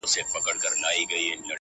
عطار وځغستل ګنجي پسي روان سو!.